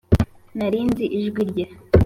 nari nzi ijwi rye